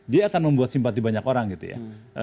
dia akan membuat simpati banyak orang gitu ya